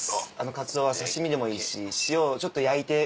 カツオは刺し身でもいいし塩をちょっと焼いて。